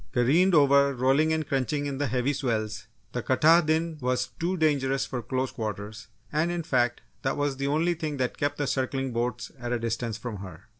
Careened over, rolling and crunching in the heavy swells, the Katahdin was too dangerous for close quarters, and in fact, that was the only thing that kept the circling boats at a distance from her.